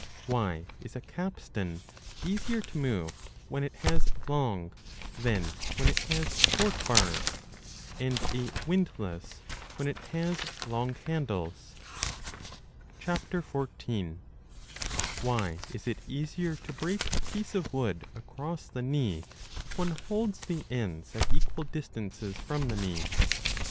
Why is a capstan easier to move when it has long than when it has short bars, and a windlass when it has long handles ? 14. Why is it easier to break a piece of wood across the knee if one holds the ends at equal distances from the knee